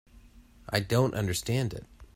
I don't understand it.